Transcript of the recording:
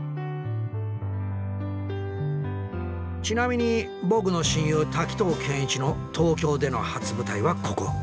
ちなみに僕の親友滝藤賢一の東京での初舞台はここ。